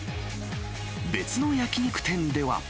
別の焼き肉店では。